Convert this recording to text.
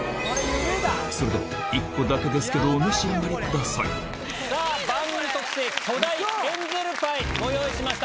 それでは、１個だけですけど、さあ、番組特製、巨大エンゼルパイ、ご用意しました。